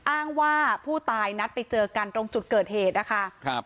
อ้างว่าผู้ตายนัดไปเจอกันตรงจุดเกิดเหตุนะคะครับ